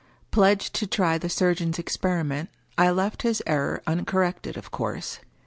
Pledged to try the surgeon's experiment, I left his error uncorrected, of course.